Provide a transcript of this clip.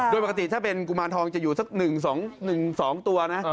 โดยปกติถ้าเป็นกุมารทองจะอยู่สัก๑๒ตัวนะ